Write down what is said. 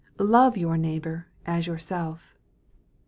Love your neighbor as yourself.